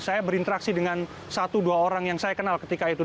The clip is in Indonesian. saya berinteraksi dengan satu dua orang yang saya kenal ketika itu